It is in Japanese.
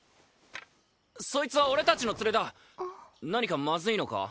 そいつは俺達の連れだ何かマズいのか？